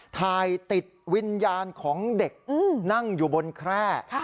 ถ่ายติดวิญญาณของเด็กนั่งอยู่บนแคร่